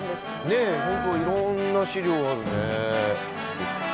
ねえ本当いろんな資料あるね。